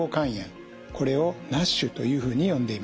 これをＮＡＳＨというふうに呼んでいます。